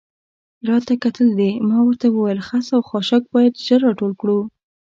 راته کتل دې؟ ما ورته وویل: خس او خاشاک باید ژر را ټول کړو.